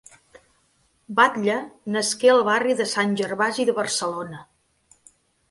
Batlle nasqué al barri de Sant Gervasi de Barcelona.